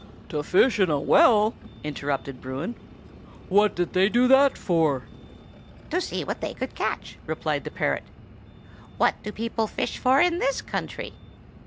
"To fish in a well?" interrupted Bruin. "What did they do that for?" "To see what they could catch," replied the parrot. "What do people fish for in this country?